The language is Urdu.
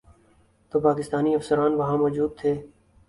تو پاکستانی افسران وہاں موجود تھے۔